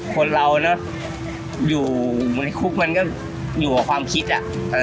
คนเราเนอะอยู่ในคุกมันก็อยู่กับความคิดอ่ะ